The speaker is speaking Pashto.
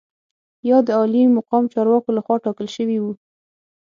یا د عالي مقام چارواکو لخوا ټاکل شوي وو.